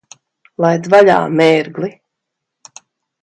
Laid vaļā, mērgli!